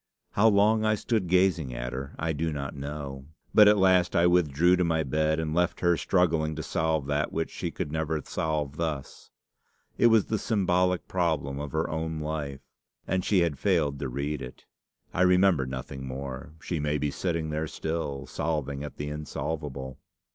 How long I stood gazing at her I do not know, but at last I withdrew to my bed, and left her struggling to solve that which she could never solve thus. It was the symbolic problem of her own life, and she had failed to read it. I remember nothing more. She may be sitting there still, solving at the insolvable.